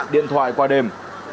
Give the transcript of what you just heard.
điện thoại qua đêm